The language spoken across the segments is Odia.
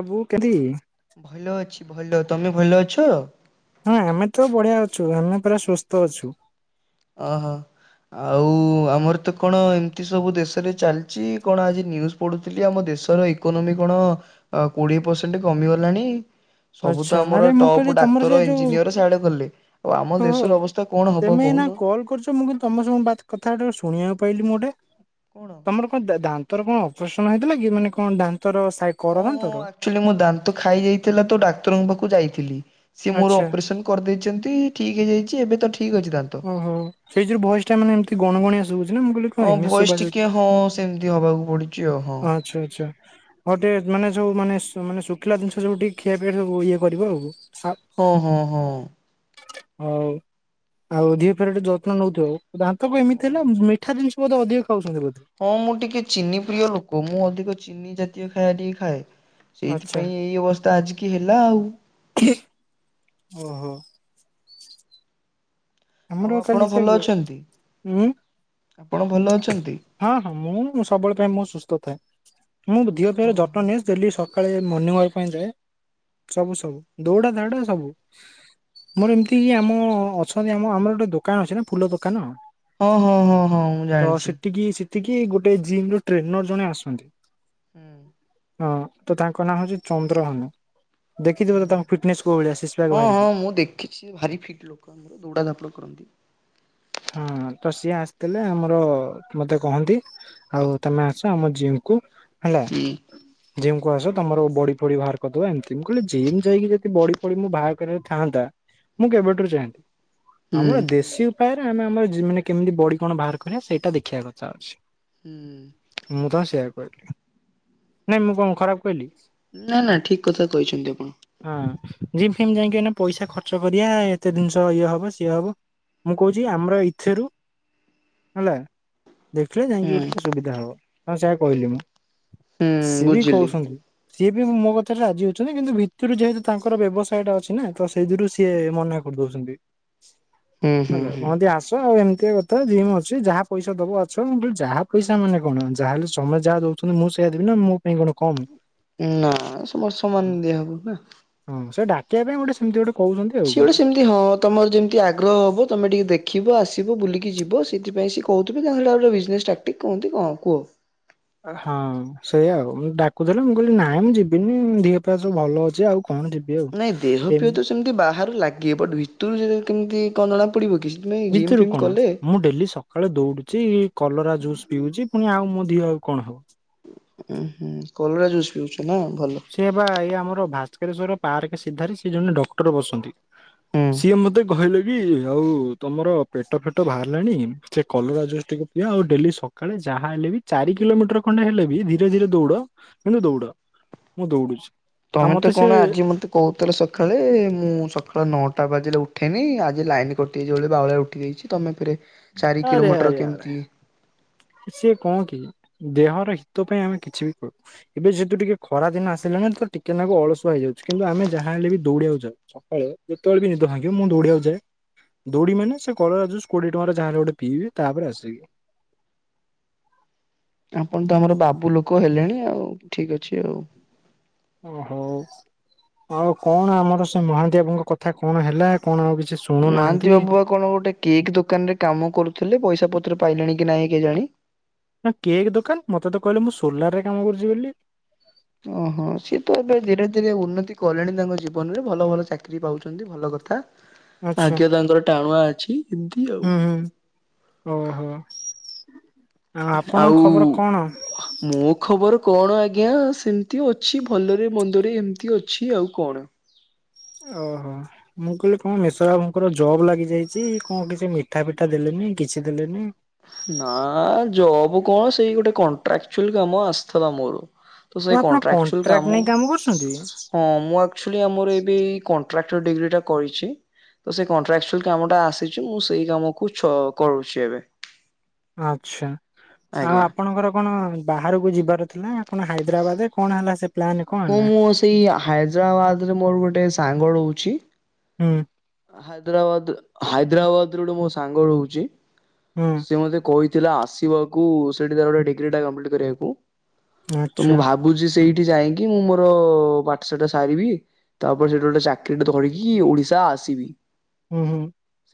ଆବୁ କେଦି। ଭଲ ଅଛି ଭଲ ତମେ ଭଲ ଅଛ? ହଁ ଆମେ ତ ବଢିଆ ଅଛୁ ଆମେ ପୁରା ସୁସ୍ଥ ଅଛୁ। ଓହୋ। ଆଉ ଆମର ତ କଣ ଏମିତି ସବୁ ଦେଶରେ ଚାଲିଛି କଣ ଆଜି ନିୁଉଜ ପଡୁଥିଲି ଆମ ଦେଶର ଇକୋନୋମୀ କଣ କୋଡିଏ ପରସେଣ୍ଟ କମିଗଲାଣି? ସବୁ ତ ଆଚ୍ଛା ଆରେ ଆମର ମୁଁ ଟପ୍ କହିଲି ତମର ସେ ଡାକ୍ତର ଯୋଉ ଇଞ୍ଜିନିୟର ସାଡେ ଗଲେ, ଆଉ ଆମ ଓହୋ ଦେଶର ଅବସ୍ଥା କଣ ହବ ତମେ ଏନା କହୁନ କଲ୍ କରୁଛ ମୁଁ କିନ୍ତୁ ତମ ସଙ୍ଗ କଥାଟା ଶୁଣିବାକୁ ପାଇଲି ମୁଁ ଗୋଟେ। କଣ? ତମର କଣ ଦାନ୍ତର କଣ ଅପରେସନ ହେଇଥିଲା କି ମାନେ କଣ ଦାନ୍ତର ସାଇ କର ଓ ହଁ ଦାନ୍ତର? ଆକଚ୍ୟୁଲି ମୋ ଦାନ୍ତ ଖାଇ ଯାଇଥିଲା ତ ଡକ୍ତରଙ୍କ ପାଖକୁ ଯାଇଥିଲି ସିଏ ମୋର ଆଚ୍ଛା ଅପରେସନ କରିଦେଇଛନ୍ତି ଠିକ୍ ହେଇଯାଇଛି ଏବେ ତ ଠିକ୍ ଅଛି ଦାନ୍ତ। ଓହୋ ସେଇ ଯୁଗୁରୁ ଭଏସ ଟା ମାନେ ଏ ମତି ଗଣ ଗଣିଆ ଶୁଭୁଛି ନା ମୁଁ କହିଲ କଣ ହଁ ଏମିତି ଭଏସ ଟିକେ ଶୁଭାଯାଉଛି, ହଁ ସେମିତି ହବାକୁ ପଡୁଛି ଆଉ ହଁ ଆଚ୍ଛା ଆଚ୍ଛା। ହଁ ଟିକେ ମାନେ ଯୋଉ ମାନେ ମାନେ ଶୁଖିଲା ଜିନିଷ ଯୋଉ ଟିକେ ଖିଆ ପିଆ ସବୁ ଇଏ କରିବ ଆଉ। ଓ ହଁ ହଁ ହଁ। ହଉ। ଆଉ ଧିଅ ପା ର ଯତ୍ନ ନଉଥିବ ଆଉ ଦାନ୍ତ ଏମିତି ହେଲା ମିଠା ଜିନିଷ ବୋଧ ଅଧିକ ଖାଉଛନ୍ତି ବୋଧେ ହଁ ମୁଁ ଟିକେ ଚିନି ପ୍ରିୟ ଲୋକ ମୁଁ ଅଧିକ ଚିନି ଜାତୀୟ ଖାଇବା ଟିକେ ଖାଏ। ଆଚ୍ଛା। ସେଇଥିପାଇଁ ଏଇ ଅବସ୍ଥା ଆଜିକି ହେଲା ଆଉ। ଓହୋ। ଆଉ ତମର ଆପଣ କାଲି ସେ ଭଲ ଅଛନ୍ତି? ଉଁ। ଆପଣ ଭଲ ଅଛନ୍ତି? ହଁ ହଁ ମୁଁ ସବୁବେଳେ ପାଇଁ ମୁ ସୁସ୍ଥ ଥାଏ ମୁଁ ଦିହ ଫିଅ ର ଯତ୍ନ ନିଏ ଡେଲି ସକାଳେ ମର୍ଣିଂ ୱାକ ପାଇଁ ଯାଏ ସବୁ ସବୁ ଦୌଡା ଦଉଟା ସବୁ ମୋର ଏମିତି କି ଆମ ଅ ଆମ ଆମର ଗୋଟେ ଦୋକାନ ଅଛି ନା ଫୁଲ ଦୋକାନ ହଁ ହଁ ହଁ ହଁ ମୁଁ ତ ଜାଣିଛି ସେଠିକି ସିଧା ଏଠିକି ଗୋଟେ ଜିମ୍ ର ଟ୍ରେନର ଜଣେ ଆସନ୍ତି। ହୁଁ ହଁ ତ ତାଙ୍କ ନାଁ ହଉଛି ଚନ୍ଦ୍ରହନୁ ହୁଁ ଦେଖିଥିବ ତ ତାଙ୍କ ଫିଟନେସ୍ କୋଉ ଭଳିଆ ସିକ୍ସ ପ୍ୟାକବାହାରିକି- କିଛି ଭାରି ଫିଟ୍ ଲୋକ ଆମର ଦୌଡ଼ା ଧାପଡ଼ କରନ୍ତି। ହୁଁ ତ ସିଏ ଆସିଥିଲେ ଆମର ମତେ କହନ୍ତି ଆଉ ତମେ ଆସ ଆମ ଜିମ୍ କୁ ହେଲା ହୁଁ ଜିମ୍ କୁ ଆସ ତମର ବଡି ଫଡି ବାହାର କରିଦବା ଏମତି ମୁଁ କହିଲି ଜିମ୍ ଯାଇକି ଯଦି ବଡି ମୁଁ ବାହା କରିବାର ଥାନ୍ତା ମୁଁ କେବେଠାରୁ ଯାଆନ୍ତି ହୁଁ ଆମର ଦେଶୀ ଉପାୟରେ ଆମେ ଆମର ମାନେ କେମିତି ବଡି କଣ ବାହାର କରିବା ସେଇଟା ଦେଖିବା କଥା ଅଛି। ହୁଁ। ମୁଁ ତ ସେୟା କହିଲି ନାଇଁ ମୁଁ କଣ ଖରାପ କହିଲି? ନା ନା ଠିକ କଥା କହିଛନ୍ତି ଆପଣ। ହଁ ଜିମ୍ ଫିମ୍ ଯାଇକି ଏଇନା ପଇସା ଖର୍ଚ୍ଚ କରିବା ଏତେ ଜିନିଷ ଇଏ ହବ ସିଏ ହବ। ମୁଁ କହୁଛି ଆମର ଇଥରୁ ହେଲା ଦେଖିଲେ ଯାଇକି ହୁଁ ଗୋଟେ ସୁବିଧା ମୁଁ ସେଇଆ କହିଲି ମୁଁ ହୁଁ ସିଏ ବି ବୁଝିଲି। କହୁଛନ୍ତି ସିଏ ବି ମୋ କଥାରେ ରାଜି ହଉଛନ୍ତି କିନ୍ତୁ ଭିତରୁ ଯେହେତୁ ତାଙ୍କର ବ୍ୟବସାୟ ଟା ଅଛି ନା ତ ସେଇଥିରୁ ସିଏ ମନେକ କରି ଦଉଛନ୍ତି। ହୁଁ ହୁଁ ହୁଁ କହନ୍ତି ଆସ ଆଉ ଏମିତି ତ ଜିମ ଅଛି ଯାହା ପଇସା ଦେବ ଅଛଁ ହ ଯାହା ପଇସା ମାନେ କଣ ଯାହାହେଲେ ସମୟ ଯାହା ଦେଉଛନ୍ତି ମୁଁ ସେଇା ଦେବି ନା ମୁଁ ଏ ଇ କମ୍ ନା ସମତ ସମାନ ଦିହା ହବ ନା। ହଁ ସେ ଡାକିବା ପାଇଁ ଗୋଟେ ସେମତି ଗୋଟେ କହୁଛନ୍ତି ଆଉ ସିଏ କଣ। ଗୋଟେ ସେମିତି ହ ତୁମର ଯେମିତି ଆଗ୍ରହ ହବ ତମେ ଟିକେ ଦେଖିବ ଆସିବ ବୁଲିକି ଯିବ ସେଥିପାଇଁ ସେ କହୁଥିବ ନହେଲେ ବିଜନେସ୍ ଷ୍ଟାର୍ଟ ଟିକେ କୁହନ୍ତି କଣ କୁହ? ହଁ। ସେଇଆ ଆଉ ଡାକୁଥିଲେ ମୁଁ କହିଲି ନାଇଁ ମୁଁ ଯିବିନି ଦିହ ଫିଅ ସବୁ ଭଲ ଅଛି ଆଉ କଣ ଯିବି ଆଉ। ନାଇଁ ଦେହ ଫିଅ ଏମିତି ତ ସେମିତି ବାହାରୁ ଲାଗିିବ ବ ଭିତରୁ କେମିତି କଣ ଜଣା ପଡିବ କି? ସେଥିପାଇଁ ଜିମ୍ ଭିତରୁ ଫିମ୍ କଣ କଲେ ମୁଁ ଡେଲି ସ ସକାଳେ ଦଉଡୁଛି କଲରା ଜୁସ୍ ପିଉଛି ପୁଣି ଆଉ ମୋ ଦିଅ ଆଉ କଣ ହବ? ଉଁ ହୁଁ କଲରା ଜୁସ୍ ପିଉଛ ନା ଭଲ। ସେଏ ବା ଏଇ ଆମର ଭାସ୍କରେଶ୍ଵର ପାର୍କ ସିଧାରେ ସେ ଜଣେ ଡକ୍ଟର ବସନ୍ତି। ହୁଁ। ସିଏ ମତେ କହିଲେ କି ଆଉ ତମର ପେଟ ଫେଟ ବାହାରିଲାଣି ସେ କଲରାଜୁସ୍ ଟିକେ ଆଉ ଡେଲି ସକାଳେ ଯାହା ହେଲେ ବି ଚାରି କିଲୋମିଟର ଖଣ୍ଡେ ହେଲେ ବି ଧୀରେ ଧୀରେ ଦୌଡ କିନ୍ତୁ ଦୌଡ। ମୁଁ ଦୌଡୁଛି। ଆଉ ତମେ ତ ମତେ ସେ କଣ ଆଜି ମତେ କହୁଥିଲଥିଲେ ସକାଳେ ମୁଁ ସକାଳେ ନଅଟା ବାଜିଲେ ଉଠେଇନି ଆଜି ଲାଇନ କଟିଯାଇଛି ବୋଲି ବାଉଳିଆ ଉଠିଯାଇଛି ତମେ ପରେ ଚାରି ଆରେ କିଲୋମିଟର ଆରେ ଆରେ କେମିତି ସିଏ କହ କି ଦେହର ହିତ ପାଇଁ ଆମେ କିଛି ବି କରୁ। ଏବେ ଯେହେତୁ ଟିକେ ଖରା ଦିନ ଆସିଲାଣି ତ ଟିକେ ନାକୁ ଅଳସୁଆ ହେଇଯାଉଛି କିନ୍ତୁ ଆମେ ଯାହା ହେଲେ ବି ଦୌଡିବାକୁ ଯାଉ। ସକାଳେ ଯେତେବେଳେ ବି ନିଦ ଭାଙ୍ଗିବ ମୁଁ ଦୌଡିବାକୁା ଯାଏ ଦୌଡିବି ମାନେ ସେ କଳରା ଜଷ୍ଟ୍ କୋଡିଏ ଟଙ୍କାରେ ଯେହେଲେ ଗୋଟେ ପିବି ତାପରେ ଆସିବି। ଆପଣ ତ ଆମର ବାବୁ ଲୋକ ହେଲେଣି ଆଉ ଠିକ ଅଛି ଆଉ। ଓ ହଉ ଆଉ କଣ ଆମର ସେ ମହାନ୍ତି ବାବୁଙ୍କ କଥା କଣ ହେଲା କଣ ଆଉ କିଛି ସୁ ମହାନ୍ତି ବାବୁଆ କଣ ଗୋଟେ କେକ୍ ଦୋକାନରେ କାମ କରୁଥିଲେ ପଇସା ପତ୍ର ପାଇଲେଣି କି ନାଇଁ କେଜାଣି ନା କେକ୍ ଦୋକାନ ମତେ ତ କହିଲେ ମୁଁ ସୋଲାର ରେ କାମ କରୁଛି ବୋଲି। ଓହୋ ସିଏ ତ ଏବେ ଧୀରେ ଧୀରେ ଉନ୍ନତି କଲେଣି ତାଙ୍କ ଜୀବନ ରେ ଭଲ ଭଲ ଚାକିରି ପାଉଛନ୍ତି ଭଲ କଥା। ଆଚ୍ଛା ଆଜ୍ଞା ତାଙ୍କର ଟାଣୁଆ ଅଛି। ଏମିତି ଆଉ ହୁଁ ହୁଁ ଓହୋ ଆପଣଙ୍କ ଆଉ ଖବର କଣ ମୋ ଖବର କଣ ଆଜ୍ଞା ସେମିତି ଅଛି ଭଲରେ ମନ୍ଦରେ ଏମିତି ଅଛି ଆଉ କଣ। ଓହୋ ମୁଁ କହିଲି କଣ ମେଷ ବାବୁଙ୍କର ଜବ୍ ଲାଗିଯାଇଛି କଣ କିଛି ମିଠା ପିଠା ଦେଲେନି କିଛି ଦେଲେନି। ନା ଜବ କଣ ସେଇ ଗୋଟେ କଣ୍ଟ୍ରାକ୍ଚୁଆଲ କାମ ଆସିଥିଲା ମୋର। ତ ଓ ସେଇ ଆପଣ କଣ୍ଟ୍ରାକ୍ଚୁଲ କଣ୍ଟ୍ରାକ୍ଟ କାମ ନେଇ କରୁଛନ୍ତି ହଁ ମୁଁ ଆ ଚୁଆଲି ଆମର ଏବେ କଣ୍ଟ୍ରାକ୍ଟର ଡିଗ୍ରୀଟା କରିଛି। ତ ସେ କଣ୍ଟ୍ରାକ୍ଚୁଆଲ କାମଟା ଆସିଛି ମୁଁ ସେଇ କାମ କୁ ଚ କରୁଛି ଏବେ। ଆଛା ଆଉ ଆଜ୍ଞା। ଆପଣଙ୍କର କଣ ବାହାରକୁ ଯିବାର ଥିଲା କଣ ହାଇଦ୍ରାବାଦରେ କଣ ହେଲା ସେ ପ୍ଲାନ କଣ ହଁ ହେଲା ମୁଁ ସେଇ ହାଇଦ୍ରାବାଦରେ ମୋର ଗୋଟେ ସାଙ୍ଗ ରହୁଛି। ହୁଁ ହାଇଦ୍ରାବାଦ ହାଇଦ୍ରାବାଦ ର ଗୋଟେ ମୋ ସାଙ୍ଗ ରହୁଛି ହୁଁ ସ ମତେ କହି ଥିଲା ଆସିବାକୁ ସେଇଠି ଗୋଟେ ଡିଗ୍ରୀ ଟା କଂପ୍ଲିଟ୍ କରିବାକୁ ତ ଆଚ୍ଛା ମୁଁ ଭାବୁଚି ବୁଚି ସେଇଠି ଯାଇକି ମୁଁ ମୋର ପାଠ ସାଟ ସାରିବି। ତାପରେ ସେଟି ଗୋଟେ ଚାକିରି ଟେ ଧରିକି ଓଡିଶା ଆସିବି। ହୁଁ ହୁଁ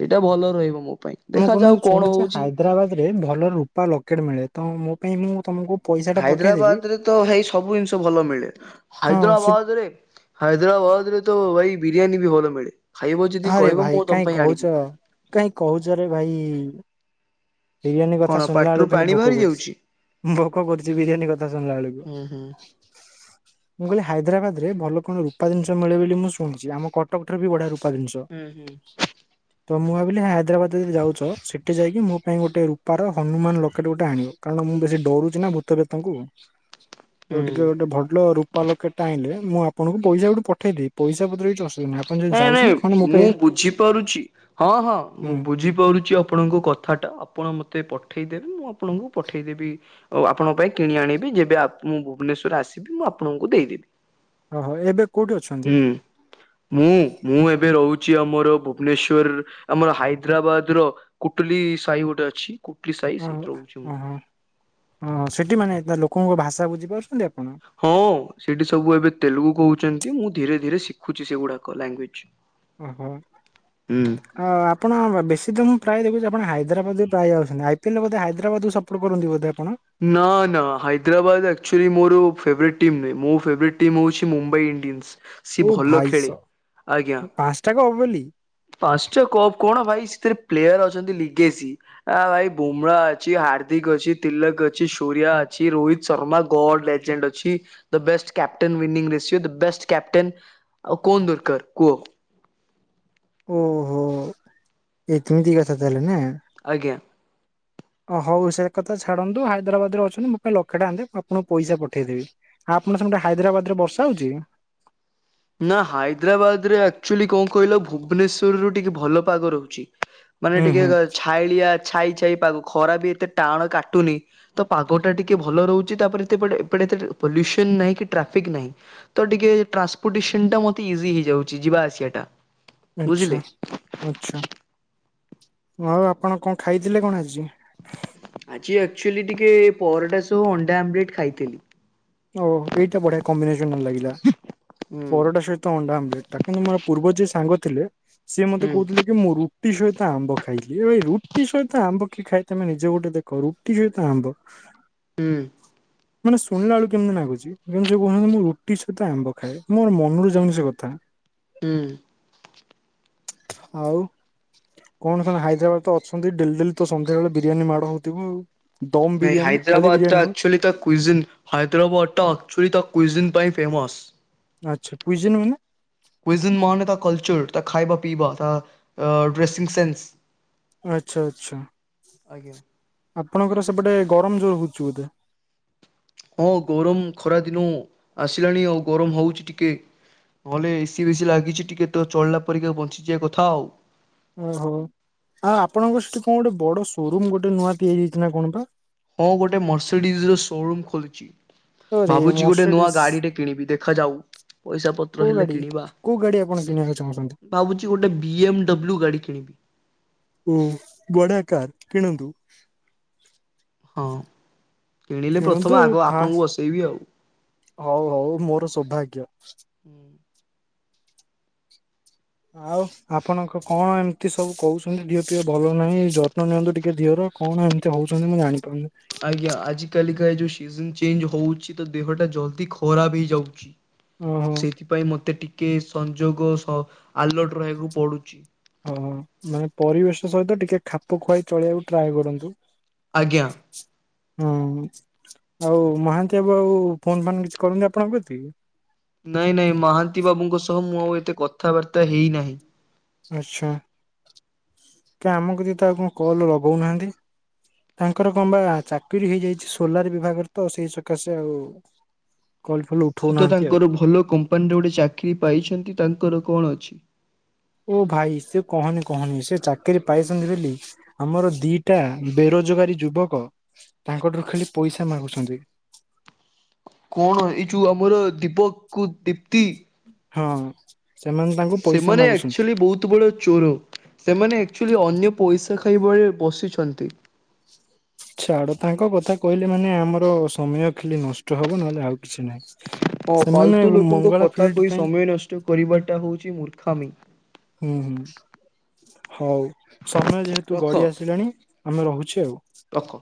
ଏଇଟା ଭଲ ରହିବ ମୋ ପାଇଁ ଦେଖାଯାଉ କଣ ହଉଛି। ହାଇଦ୍ରାବାଦରେ ଭଲ ରୂପା ଲକେଟ୍ ମିଳେ ତ ମୋ ପାଇଁ ମୁଁ ତୁମକୁ ହାଇଦ୍ରାବାଦ ରେ ତ ହେଇ ସବୁ ଜିନିଷ ଭଲ ମିଳେ ହଁ ସେ ହାଇଦ୍ରାବାଦ ରେ ହାଇଦ୍ରାବାଦ ରେ ତ ଭାଇ ବିରିୟାନୀ ବି ଭଲ ମିଳେ ଖାଇବ ଯଦି ଆରେ କହିବ ଭାଇ ମୁଁ ତମ କାହିଁ ପାଇଁ କହୁଛ ଆଣିବି। କାହିଁ କହୁଛରେ ଭାଇ ବିରିୟାନୀ କଥା କଣ ଶୁଣିଲା ପାଟିରୁ ବେଳକୁ ଖାଲି ପାଣି ବାହାରି ଭୋକ କରିୁଛି। ଯାଉଛି ଭୋକ କରୁଛି ବିରିୟାନୀ କଥା ଶୁଣିଲା ବେଳକୁ। ହୁଁ [inaudible] ମୁଁ କହିଲି ହାଇଦ୍ରାବାଦ ରେ ଭଲ କଣ ରୂପା ଜିନିଷ ମିଳେ ବୋଲି ମୁଁ ଶୁଣିଚି ଆମ କଟକ ଠାରୁ ବି ବଢିଆ ରୂପା ଜିନିଷ ହୁଁ ହୁଁ ତ ମୁଁ ଭାବିଲି ହାଇଦ୍ରାବାଦ ଯଦି ଯାଉଛ ସେଠି ଯାଇକି ମୋ ପାଇଁ ଗୋଟେ ରୂପାର ହନୁମାନ ଲକେଟ ଗୋଟେ ଆଣିବ କାରଣ ମୁଁ ବେଶୀ ଡରୁଛି ନା ଭୂତ ପେତଙ୍କୁ। ତ ହୁଁ ଟିକେ ଗୋଟେ ଭଲ ରୂପା ଲୋକେ ଟ ଆଣିଲେ ମୁଁ ଆପଣଙ୍କୁ ପଇସା ଗୋଟେ ପଠେଇଦବି ପଇସା ପତର କିଛି ଆସୁବି ନାଇଁ ନାଇଁ ମୁଁ ବୁଝିପାରୁଛି ହଁ ହଁ ମୁଁ ହୁଁ ବୁଝିପାରୁଛି ଆପଣଙ୍କୁ କ ଥାଟା ଆପଣ ମୋତେ ପଠାଇଦେବେ ମୁଁ ଆପଣଙ୍କୁ ପଠାଇଦେବି ଆ ଆପଣ ପାଇଁ କିଣି ଆଣିବି ଯେବେ ଆ ମୁଁ ଭୁବନେଶ୍ୱର୍ ଆସିବି ମୁଁ ଆପଣଙ୍କୁ ଦେଇଦେବି ଓହୋ ଏବେ କୋଉଠି ଅଛନ୍ତି? ହୁଁ। ମୁଁ ମୁଁ ଏବେ ରହୁଛି ଆମର ଭୁବନେଶ୍ଵର ଆମର ହାଇଦ୍ରାବାଦ ର କୁଟୁଲି ସାହି ଗୋଟେ ଅଛି। କୁଟଲି ସାହି ଆଉ ସେଇଠି ରହୁଛି ମୁଁ। ଓହୋ ଓ ସେଠି ମାନେ ତା ଲୋକଙ୍କ ଭାଷା ବୁଝିପାରୁଛନ୍ତି ଆପଣ? ହଁ ସେଠି ସବୁ ଏବେ ତେଲୁଗୁ କହୁଛନ୍ତି ମୁଁ ଧୀରେ ଧୀରେ ଶିଖୁଛି ସେଗୁଡାକ ଲାଙ୍ଗୁଏଜ। ଓହୋ ହୁଁ ଅ ଆପଣ ବେଶୀ ଦିନ ମୁଁ ପ୍ରାୟ ଦେଖୁଚି ଆପଣ ହାଇଦ୍ରାବାଦ ବି ପ୍ରାୟ ଯାଉଚନ୍ତି ଆଇପିଏଲ ରେ ବୋଧେ ହାଇଦ୍ରାବାଦକୁ ସ ପଟ୍ କରନ୍ତି ବଧେ ଆପଣ? ନା ନା ହାଇଦ୍ରାବାଦ୍ ଆକ୍ଚୁଆଲି ମୋର ଫେଭରେଟ୍ ଟିମ୍ ନୁହଁ ମୋ ଫେଭରେଟ୍ ଟିମ୍ ହେଉଛି ମୁମ୍ବାଇ ଇଣ୍ଡିଆ। ସିଏ ଓ ଭଲ ଭାଇସ ଖେଳେ ଆଜ୍ଞା। ପାଞ୍ଚଟା କପ ବୋଲି ପାଞ୍ଚଟା କପ୍ କଣ ଭାଇ ସେଥିରେ ପ୍ଲେୟାର ଅଛନ୍ତି ଲିଗେସି ଆ ଭାଇ ବୁମ୍ରା ଅଛି ହାର୍ଦ୍ଦିକ ଅଛି ତିଲକ୍ ଅଛି ସୂରୟା ଅଛି ରୋହିତ ଶର୍ମା ଗଡ୍ ଲେଜେଣ୍ଡ୍ ଅଛି। The best captain winning the best captain ଆଉ କନ୍ ଦରକାର୍ କୁହ। ଓହୋ ଏତେମି କଥା ତାହେଲେ ନା। ଆଜ୍ଞା। ହଉ ସେ କଥା ଛାଡ଼ନ୍ତୁ ହାଇଦ୍ରାବାଦ ରେ ଅଛନ୍ତି ମୋ ପାଇଁ ଲକ୍ଷେ ଟଙ୍କା ଦିଅନ୍ତୁ ମୁଁ ଆପଣଙ୍କୁ ପଇସା ପଠେଇଦେବି। ଆପଣ ସେଠେ ହାଇଦ୍ରାବାଦ୍ ରେ ବର୍ଷା ହଉଚି? ନା ହାଇଦ୍ରାବାଦରେ ଆକ୍ଚୁଆଲି କଣ କହିଲ ଭୁବନେଶ୍ଵର ରୁ ଟିକେ ଭଲ ପାଗ ରହୁଚି। ମାନେ ହୁଁ ଟିକେ ହୁଁ। ଛାଇଳିଆ ଛାଇ ଛାଇ ପାଗ ଖରା ବି ଏତେ ଟାଣ କାଟୁନି। ତ ପାଗ ଟା ଟିକେ ଭଲ ରହୁଚି ତାପରେ ଏପଟେ ଏପଟେ ଏତେ ପଲ୍ୟୁସନ୍ ନାହିଁ କି ଟ୍ରାଫିକ୍ ନାହିଁ। ତ ଟିକେ ଟ୍ରାନ୍ସପୋର୍ଟେସନ୍ ଟା ମତେ ଇଜି ହେଇଯାଉଚି ଯିବା ଆସିବା ଟା। ଆଛା ବୁଝିଲେ। ଆଛା ଆଉ ଆପଣ କଣ ଖାଇଥିଲେ କଣ ଆଜି? ଆଜି ଆକ୍ଚୁଆଲି ଟିକେ ପରଟା ସହ ଅଣ୍ଡା ଆମ୍ ଲେଟ୍ ଖାଇଥିଲି। ଓ ଏଇଟା ବଢିଆ କମ୍ବିନେସନ ଲାଗିଲା। ହୁଁ ପରଟା ସହିତ ଅଣ୍ଡା ଆମ୍ ଲେଟ୍ ତା କିନ୍ତୁ ମୋର ପୂର୍ବ ଯିଏ ସାଙ୍ଗ ଥିଲେ ସିଏ ମତେ ହୁଁ କହୁଥିଲେ ମୁଁ ରୁଟି ସହିତ ଆମ୍ବ ଖାଇଲି ଏ ରୁଟି ସହିତ ଆମ୍ବ କିଏ ଖାଏ ତମେ ନିଜେ ଗୋଟେ ଦେଖ ରୁଟି ସହିତ ଆମ୍ବ ହୁଁ। ମୁଁ ଶୁଣିଲା ବଳକୁ କେମିତି ନାଗୁଚି କିନ୍ତୁ ସେ କହୁଚନ୍ତି ମୁଁ ରୁଟି ସହିତ ଆମ୍ବ ଖାଏ ମୋର ମନରୁ ଯାଉନି ସେ କଥା। ହୁଁ। ଆଉ। କଣ ସେ ହାଇଦ୍ରାବାଦ ତ ଅଛନ୍ତି ଡେଲି ଡେଲି ତ ସନ୍ଧ୍ୟାବେେଳେ ବିରିୟାନୀ ମାଡ଼ ହଉଥିବ ଆଉ। ଦମ୍ ନାଇଁ ବିରିୟାନୀ ଖାଲି ହାଇଦ୍ରାବାଦ ବିରିୟାନୀ ଟା ନୁହଁ ଆକ୍ଚୁଆଲି ତା କୁଇଜିନ୍ ହାଇଦ୍ରାବାଦ୍ ଟା ଆକ୍ଚୁଆଲି ତା କୁଇଜିନ୍ ପାଇଁ ଫେମସ୍। ଆଚ୍ଛା କୁଇଜିନ୍ ମାନେ? କୁଇଜିନ୍ ମାନେ ତା କଲ୍ଚର୍ ତା ଖାଇବା ପିଇବା ତା ତ ଡ୍ରେସିଂ ସେନ୍ସ୍ ଆଚ୍ଛା ଆଚ୍ଛା ଆଜ୍ଞା ଆପଣଙ୍କର ସେପଟେ ଗରମ ଜୋର୍ ହଉଚି ବୋଧେ? ହଁ ଗରମ୍ ଖରାଦିନ ଆସିଲାଣି ଆଉ ଗରମ୍ ହଉଚି ଟିକେ। ହଲ୍ ରେ ଏସିି ବେସିି ଲାଗିଚି ଟିକେ ତ ଚଳିଲା ପରିକା ବଞ୍ଚିଯିବା କଥା ଆଉ। ଓହୋ ଆ ଆପଣଙ୍କ ସେଠି କଣ ଗୋଟେ ବଡ ସୋରୁମ୍ ଗୋଟେ ନୂଆ ତିଆରି ହେଇଚି ନା କଣ ପା? ହଁ ଗୋଟେ ମର୍ସିଡିଜ୍ ର ସୋରୁମ୍ ଖୋଲିଚି। ଆରେ ଭାବୁଚି ଗୋଟେ ନୂଆ ମର୍ସିଡିସ୍ ଗାଡିଟେ କିଣିବି ଦେଖାଯାଉ ପଇସା ପ କୋଉ ଗାଡି କୋଉ ଗାଡି ଆପଣ କିଣିବାକୁ ଚାହୁଁଛନ୍ତି? ଭାବୁଚି ଗୋଟେ ବି ଏମ୍ ଡବ୍ଲ୍ୟୁ ଗାଡି କିଣିବି। ଓ ବଢିଆ କାର୍ କିଣନ୍ତୁ। ହଁ କିଣିଲେ କିଣନ୍ତୁ ପ୍ରଥମ ଆଗ ଫାଷ୍ଟ ଆପଣଙ୍କୁ ବସେଇବି ଆଉ। ହଉ ହଉ ମୋର ସୌଭାଗ୍ୟ। ହୁଁ। ଆଉ ଆପଣଙ୍କ କଣ ଏମିତି ସବୁ କହୁଚନ୍ତି ଦେହ ପିହ ଭଲ ନାହିଁ ଯତ୍ନ ନିଅନ୍ତୁ ଟିକେ ଦିହର। କଣ ଏମିତି ହଉଚନ୍ତି ମୁଁ ଜାଣିପାରୁନି। ଆଜ୍ଞା ଆଜିି କାଲିକା ଏ ଯୋଉ ସିଜନ୍ ଚେଞ୍ଜ୍ ହଉଚି ତ ଦେହଟା ଜଲ୍ଦି ଖରାପ ହେଇ ଯାଉଚି ଓହୋ ସେଥି ପାଇଁ ମତେ ଟିକେ ସଂଯୋଗ ସ ଆଲର୍ଟ ରହିବାକୁ ପଡୁଚି। ଓ ମାନେ ପରିବେଶ ସହିତ ଟିକେ ଖାପ ଖୁଆଇ ଚଳିବାକୁ ଟ୍ରାଏ କରନ୍ତୁ। ଆଜ୍ଞା। ହୁଁ ଆଉ ମହାନ୍ତି ଆବୁ ଆଉ ଫୋନ୍ ଫାନ୍‌ କିଛି କରନ୍ତି ଆପଣଙ୍କ କତିକି? ନାଇଁ ନାଇଁ ମହାନ୍ତି ବାବୁଙ୍କ ସହ ମୁଁ ଆଉ ଏତେ କଥାବାର୍ତ୍ତା ହେଇନାହିଁ। ଆଚ୍ଛା କା ଆମକୁ ଦି ତ ଆଉ କଣ କଲ୍ ଲଗୋଉନାହାନ୍ତି। ତାଙ୍କର କଣ ବା ଚାକିରି ହେଇଯାଇଛି ସୋଲାର ବିଭାଗରେ ତ ସେଇ ସକାଶେ ଆଉ କଲ୍ ଫଲ୍ ସିଏ ତ ଉଠଉନାହାନ୍ତି ଆଉ। ତାଙ୍କର ଭଲ କମ୍ପାନୀରେ ଗୋଟେ ଚାକିରୀ ପାଇଛନ୍ତି ତାଙ୍କର କଣ ଅଛି। ଓ ଭାଇ ସେ କହନି କହନି ସେ ଚାକିରୀ ପାଇଛନ୍ତି ବୋଲି ଆମର ଦିଟା ବେରୋଜଗାରୀ ଯୁବକ ତାଙ୍କଠାରୁ ଖାଲି ପଇସା ମାଗୁଚନ୍ତି। କଣ ଏଇ ଯୋଉ ଆମର ଦୀପକୁ ଦିପ୍ତି। ହଁ ସେମାନେ ତାଙ୍କୁ ପଇସା ସେମାନେ ମାଗୁଛନ୍ତି। ଆକ୍ଚ୍ବଲି ବହୁତ ବଡ଼ ଚୋର ସେମାନେ ଆକ୍ଚ୍ବଲି ଅନ୍ୟ ପଇସା ଖାଇବା ରେ ବସିଛନ୍ତି। ଛାଡ ତାଙ୍କ କଥା କହିଲେ ମାନେ ଆମର ସମୟ ଖାଲି ନଷ୍ଟ ହବ ନହେଲେ ଆଉ କିଛି ନାଇଁ। ହଁ ଫାଲତୁ ଲୋକଙ୍କ କଥା ଫିଲ୍ଡ କହି ପାଇଁ ସମୟ ନଷ୍ଟ କରିବାଟା ହୋଉଚି ମୂର୍ଖାମି। ହୁଁ ହୁଁ ହୋଉ ସମୟ ଯେହେତୁ ଗଡି ଆସିଲାଣି ଆମେ ରହୁଛୁ ଆଉ। ରଖନ୍ତୁ।